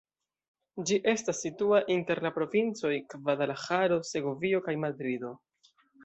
Ĝi estas situa inter la provincoj Gvadalaĥaro, Segovio kaj Madrido.